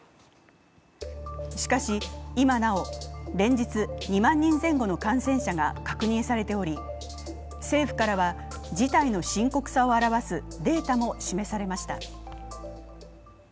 しかし、今なお連日２万人前後の感染者が確認されており政府からは事態の深刻さを表すデータも示されました。